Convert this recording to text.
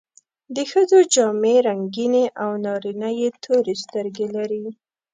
د ښځو جامې رنګینې او نارینه یې تورې سترګې لري.